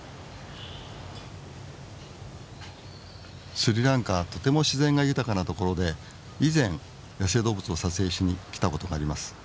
スリランカはとても自然が豊かなところで以前野生動物を撮影しに来たことがあります。